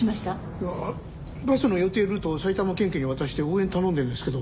いやバスの予定ルートを埼玉県警に渡して応援を頼んでるんですけど